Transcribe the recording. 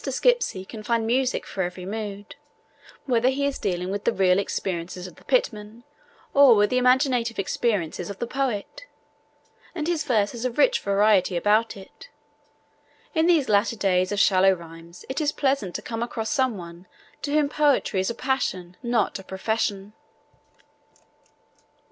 Skipsey can find music for every mood, whether he is dealing with the real experiences of the pitman or with the imaginative experiences of the poet, and his verse has a rich vitality about it. In these latter days of shallow rhymes it is pleasant to come across some one to whom poetry is a passion not a profession.